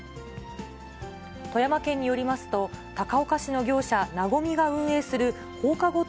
富山県によりますと、高岡市の業者、和が運営する放課後等